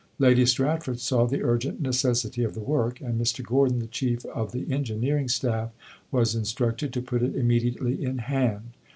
Lady Stratford saw the urgent necessity of the work, and Mr. Gordon, the chief of the engineering staff, was instructed to put it immediately in hand.